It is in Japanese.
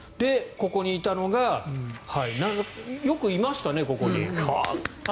ここにいたのがよくいましたね、ここに。